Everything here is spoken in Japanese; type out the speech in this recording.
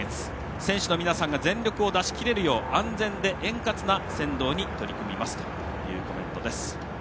選手の皆さんが全力を出しきれるよう安全で円滑な先導に取り組みますというコメントです。